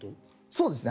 そうですね。